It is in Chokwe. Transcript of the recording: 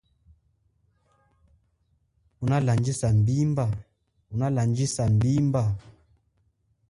Unalandjisa mbimba?